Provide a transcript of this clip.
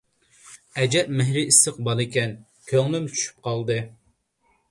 ئەجەب مېھرى ئىسسىق بالىكەن، كۆڭلۈم چۈشۈپ قالدى.